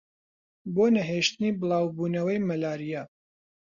بۆ نەهێشتنی بڵاوبوونەوەی مەلاریا